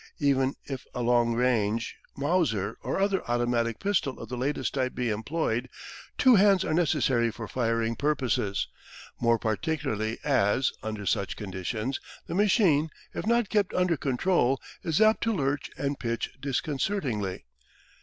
Even if a long range Mauser or other automatic pistol of the latest type be employed, two hands are necessary for firing purposes, more particularly as, under such conditions, the machine, if not kept under control, is apt to lurch and pitch disconcertingly.